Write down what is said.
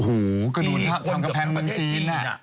โอ้โฮกระดูนทางกำแพงเมืองจีนอะ